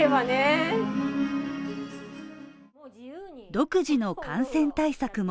独自の感染対策も